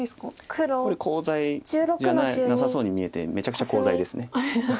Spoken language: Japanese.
これコウ材じゃなさそうに見えてめちゃくちゃコウ材です。